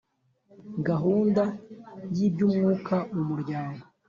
gahunda y iby umwuka mu muryango